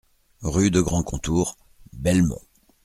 Rue de Grand Contour, Belmont